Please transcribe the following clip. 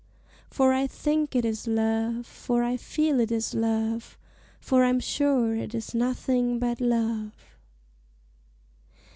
For I think it is Love, For I feel it is Love, For I'm sure it is nothing but Love!